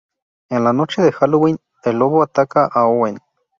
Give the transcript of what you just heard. En la noche de Halloween, el "Lobo" ataca a Owen.